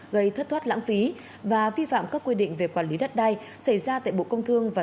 gây thất thoát lãng phí và vi phạm các quy định về quản lý đất đai xảy ra tại bộ công thương và